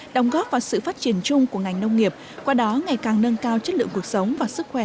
đồng góp vào sự phát triển chung của ngành nông nghiệp qua đó ngày càng nâng cao chất lượng cuộc sống và sức khỏe